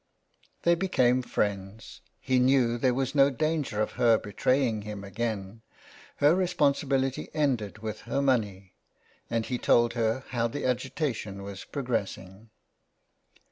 They became friends ; he knew there was no danger of her betraying him again. Her responsibility ended with her money, and he told her how the agitation was progressing.